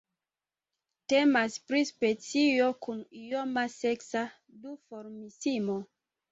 Temas pri specio kun ioma seksa duformismo.